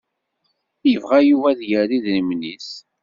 Yebɣa Yuba ad yerr idrimen-is.